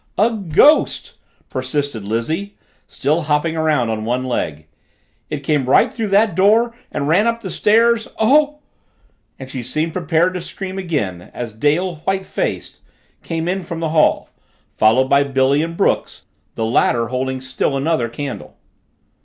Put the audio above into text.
"A ghost!" persisted Lizzie, still hopping around on one leg. "It came right through that door and ran up the stairs oh " and she seemed prepared to scream again as Dale, white faced, came in from the hall, followed by Billy and Brooks, the latter holding still another candle.